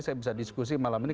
saya bisa diskusi malam ini